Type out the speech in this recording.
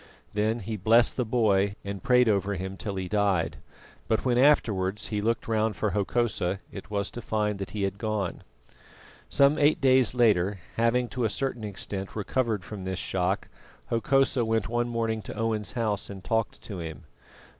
Then he blessed the boy and prayed over him till he died; but when afterwards he looked round for Hokosa, it was to find that he had gone. Some eight days later, having to a certain extent recovered from this shock, Hokosa went one morning to Owen's house and talked to him.